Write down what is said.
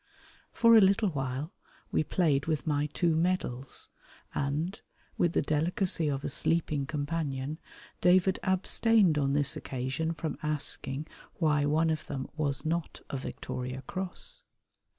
For a little while we played with my two medals, and, with the delicacy of a sleeping companion, David abstained on this occasion from asking why one of them was not a Victoria Cross.